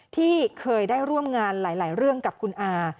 ที่เคยได้ร่วมงานหลายเรื่องกับคุณอา